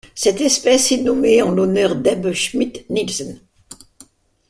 Cette espèce est nommée en l'honneur d'Ebbe Schmidt Nielsen.